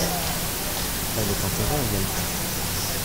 Elle est enterrée à Yalta.